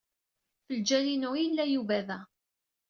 Ɣef lǧal-inu ay yella Yuba da.